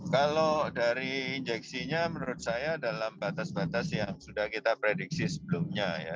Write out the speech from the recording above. kalau dari injeksinya menurut saya dalam batas batas yang sudah kita prediksi sebelumnya ya